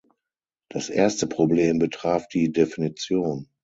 Das erste Problem betraf die Definition.